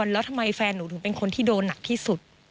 แล้วทำไมแฟนหนูถึงเป็นคนที่โดนหนักที่สุด